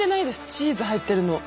チーズ入ってるの。